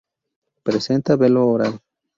Presenta velo oral.